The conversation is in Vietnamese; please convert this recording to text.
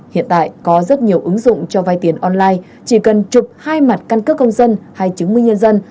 hiện tại có rất nhiều ứng dụng cho vai tiền online chỉ cần chụp hai mặt căn cước công dân hay chứng minh nhân dân